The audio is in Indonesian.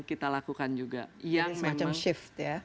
kita lakukan juga semacam shift ya